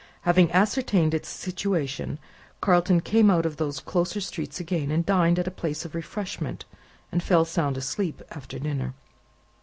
Having ascertained its situation, Carton came out of those closer streets again, and dined at a place of refreshment and fell sound asleep after dinner.